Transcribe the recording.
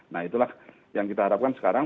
nah itulah yang kita harapkan sekarang